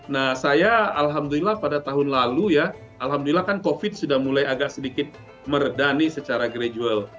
nah saya alhamdulillah pada tahun lalu ya alhamdulillah kan covid sudah mulai agak sedikit merdani secara gradual